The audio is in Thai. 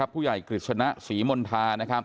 ผู้ใหญ่กริชนะศรีมณฑา